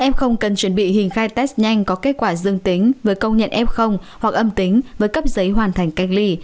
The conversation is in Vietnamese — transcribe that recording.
f cần chuẩn bị hình khai test nhanh có kết quả dương tính với công nhận f hoặc âm tính với cấp giấy hoàn thành cách ly